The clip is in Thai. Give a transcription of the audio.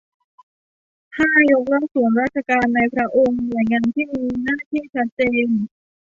ห้า ยกเลิกส่วนราชการในพระองค์ หน่วยงานที่มีหน้าที่ชัดเจน